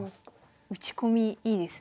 打ち込みいいですね。